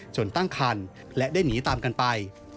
ตั้งคันและได้หนีตามกันไป